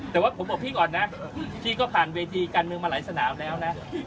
แต่ว่าผมบอกพี่ก่อนนะพี่ก็ผ่านเวทีการเมืองมาหลายสนามแล้วนะ